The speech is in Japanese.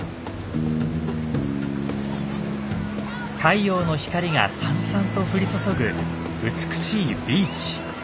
太陽の光がさんさんと降り注ぐ美しいビーチ。